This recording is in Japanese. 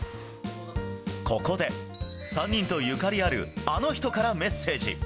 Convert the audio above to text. ここで、３人とゆかりのあるあの人からメッセージ。